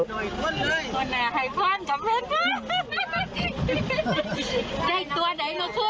ได้อะไรนะครู